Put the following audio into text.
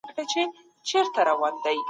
د بې وزلو مشکل زموږ خپل مشکل دی.